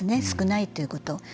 少ないということ。